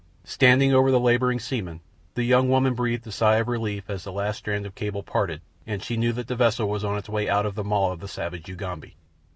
Standing over the labouring seamen, the young woman breathed a sigh of relief as the last strand of the cable parted and she knew that the vessel was on its way out of the maw of the savage Ugambi.